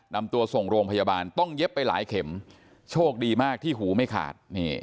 นำตัวส่งโรงพยาบาลต้องเย็บไปหลายเข็มโชคดีมากที่หูไม่ขาด